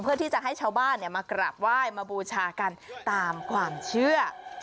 เพื่อที่จะให้ชาวบ้านมากราบไหว้มาบูชากันตามความเชื่อ